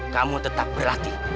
kamu tetap berlatih